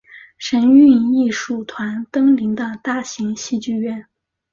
神韵艺术团登临的大型戏剧院。